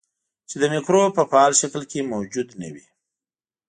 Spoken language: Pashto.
چې د مکروب په فعال شکل کې موجود نه وي.